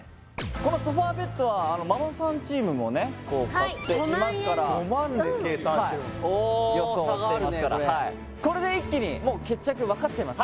このソファベッドはママさんチームもね買っていますから５万円・５万で計算してるおお差があるねこれ予想していますからはいこれで一気にもう決着分かっちゃいます